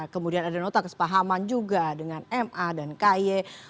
kemudian ada nota kesepahaman juga dengan ma dan ky